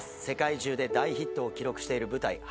世界中で大ヒットを記録している舞台